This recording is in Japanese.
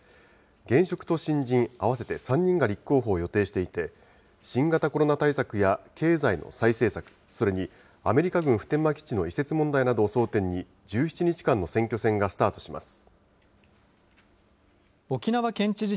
現職と新人合わせて３人が立候補を予定していて、新型コロナ対策や経済の再生策、それにアメリカ軍普天間基地の移設問題などを争点に、１７日間の選挙戦がスタートします。